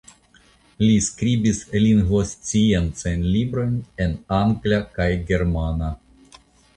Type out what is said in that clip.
Li skribis lingvsciencajn librojn en angla kaj germana.